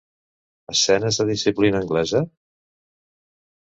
Escenes de disciplina anglesa?